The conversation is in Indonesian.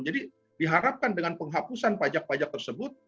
jadi diharapkan dengan penghapusan pajak pajak tersebut